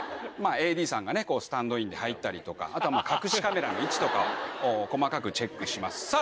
ＡＤさんがスタンドインで入ったりとか隠しカメラの位置とかを細かくチェックします。